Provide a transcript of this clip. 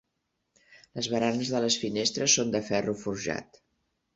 Les baranes de les finestres són de ferro forjat.